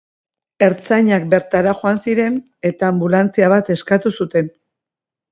Ertzainak bertara joan ziren, eta anbulantzia bat eskatu zuten.